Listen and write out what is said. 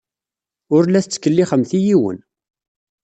Ur la tettkellixemt i yiwen.